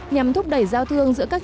nhằm thúc đẩy giao thương giữa các nước